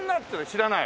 知らない。